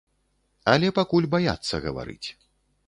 Але пакуль баяцца гаварыць.